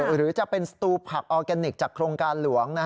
หรือจะเป็นสตูผักออร์แกนิคจากโครงการหลวง